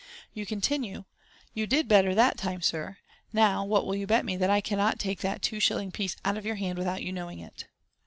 You continue, " You did better that time, sir. Now, what will you bet me that I cannot take that two shilling piece out of your hand without your knowing it?"